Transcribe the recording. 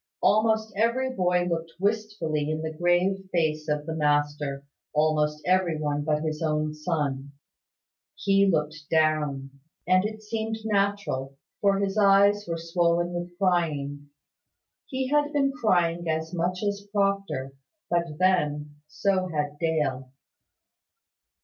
Almost every boy looked wistfully in the grave face of the master; almost every one but his own son. He looked down; and it seemed natural: for his eyes were swollen with crying. He had been crying as much as Proctor: but, then, so had Dale.